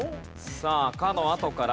さあ「か」のあとから。